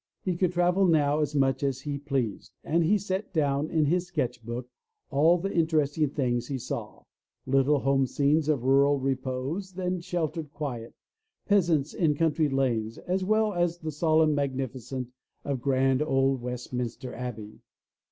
He could travel now as much as he pleased and he set down in his Sketch Book all the interesting things he saw — little home scenes of rural repose and sheltered quiet, peas ants in country lanes, as well as the solemn magnificence of grand old Westminster Abbey.